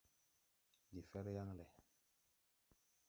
Ndi fɛr yaŋ lɛ.